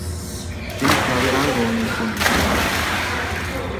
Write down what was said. Tiene que haber algo en el fondo.